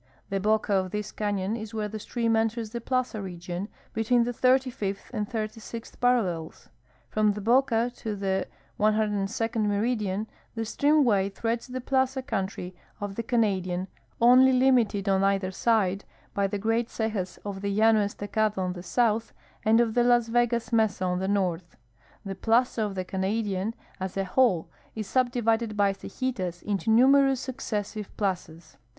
The boca of this canon is where the stream enters the plaza region, between tlie thirty fifth and thirt^' sixth paral lels. From tlie Ijoca to the 102d meridian the streamway threads the plaza country of the Canadian, oidy limited on either side hv' the great cejasof the Llano Estacado on the south and of the Las Vegas mesa on the north. The ])laza of the Canadian as a whole is subdivided cejitas into numerous succe.ssive plazas.